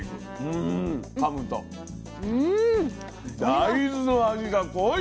大豆の味が濃い。